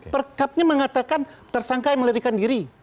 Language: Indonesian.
perkabnya mengatakan tersangka yang melarikan diri